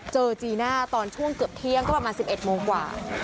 จีน่าตอนช่วงเกือบเที่ยงก็ประมาณ๑๑โมงกว่า